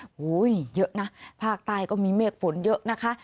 โอ้โหเยอะนะภาคใต้ก็มีเมฆฝนเยอะนะคะ